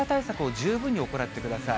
十分に行ってください。